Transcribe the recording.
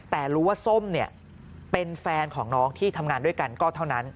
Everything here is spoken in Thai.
แต่รู้ว่าส้มเนี่ยเป็นแฟนของน้องที่ทำงานด้วยกันก็เท่านั้น